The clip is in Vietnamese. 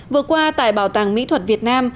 vừa qua tại bảo tàng mỹ thuật việt nam